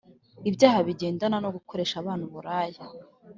ibyaha bigendana no gukoresha abana uburaya